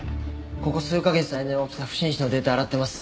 ここ数カ月の間に起きた不審死のデータ洗ってます。